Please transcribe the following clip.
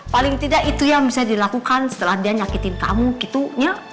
paling tidak itu yang bisa dilakukan setelah dia nyakitin kamu gitu ya